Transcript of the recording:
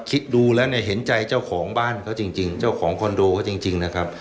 คิดดูแล้วเนี่ยเห็นใจเจ้าของบ้านเขาจริงเจ้าของคอนโดเขาจริงนะครับ